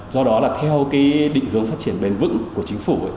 do đó là theo định hướng phát triển bền vững của chính phủ